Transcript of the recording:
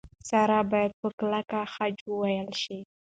سره باید په کلک خج وېل شي.